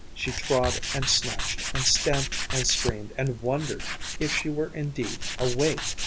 She trod and snatched and stamped and screamed, and wondered if she were indeed awake....